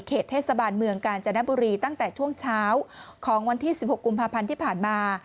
เทศบาลเมืองกาญจนบุรีตั้งแต่ช่วงเช้าของวันที่๑๖กุมภาพันธ์ที่ผ่านมา